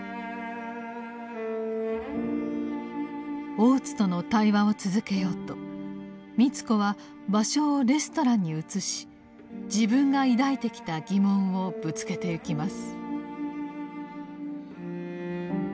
大津との対話を続けようと美津子は場所をレストランに移し自分が抱いてきた疑問をぶつけてゆきます。